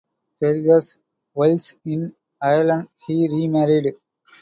Perhaps whilst in Ireland he remarried.